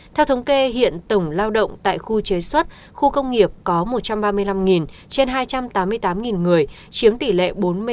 theo thống kê hiện tổng lao động tại khu chế xuất khu công nghiệp có một trăm ba mươi năm trên hai trăm tám mươi tám người chiếm tỷ lệ bốn mươi chín